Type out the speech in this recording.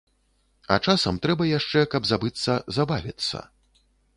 А часам трэба яшчэ, каб забыцца, забавіцца.